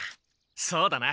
そうだな。